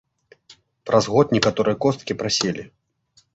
Праз год некаторыя косткі праселі.